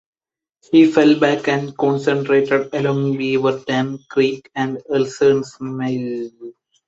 He fell back and concentrated along Beaver Dam Creek and Ellerson's Mill.